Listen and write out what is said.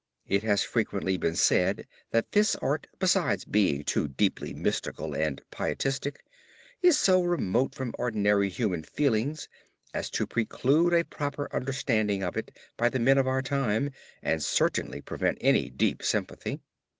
It has frequently been said, that this art besides being too deeply mystical and pietistic, is so remote from ordinary human feelings as to preclude a proper understanding of it by the men of our time and certainly prevent any deep sympathy.